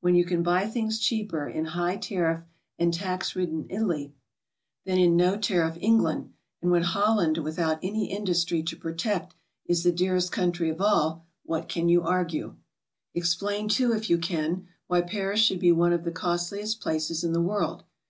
When you can buy things cheaper in high tariff and tax ridden Italy than in no tariff England, and when Hollan'd without any industry to protect is the dearest country of all, what can you argue? Explain, too, if you can, why Paris should be one of the costliest places in the world.